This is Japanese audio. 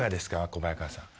小早川さん。